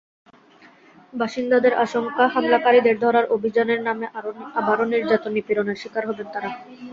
বাসিন্দাদের আশঙ্কা, হামলাকারীদের ধরার অভিযানের নামে আবারও নির্যাতন-নিপীড়নের শিকার হবেন তাঁরা।